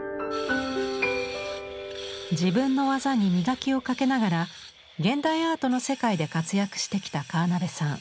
自分の技に磨きをかけながら現代アートの世界で活躍してきた川邉さん。